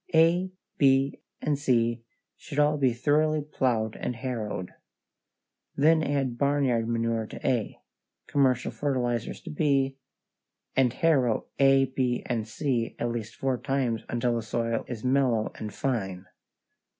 A, B, and C should all be thoroughly plowed and harrowed. Then add barnyard manure to A, commercial fertilizers to B, and harrow A, B, and C at least four times until the soil is mellow and fine.